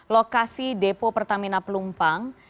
lokasi depo pertamina pelumpang